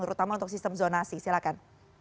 terutama untuk sistem zonasi silahkan